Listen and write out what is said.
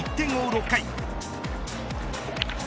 ６回。